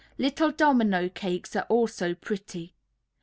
Little domino cakes are also pretty.